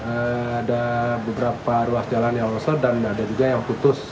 ada beberapa ruas jalan yang longsor dan ada juga yang putus